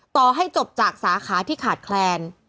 ต่อให้จบจากสาขาที่ขาดแคลน